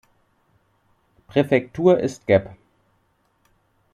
Präfektur ist Gap.